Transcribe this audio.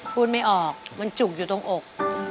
พูดไม่ออกมันจุกอยู่ตรงอก